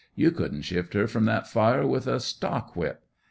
You couldn't shift her from that fire with a stock whip!